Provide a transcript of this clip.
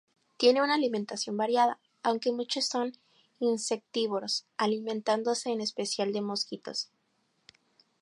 Tienen una alimentación variada, aunque muchos son insectívoros, alimentándose en especial de mosquitos.